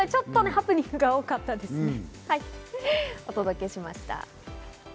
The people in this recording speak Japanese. ハプニングが多かったんですけれども、お伝えしました。